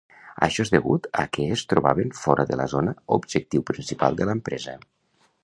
Això és degut a que es trobaven fora de la zona objectiu principal de l'empresa.